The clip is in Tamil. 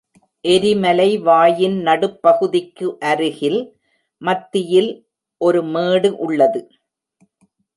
எரிமலை வாயின் நடுப்பகுதிக்கு அருகில் மத்தியில் ஒரு மேடு உள்ளது.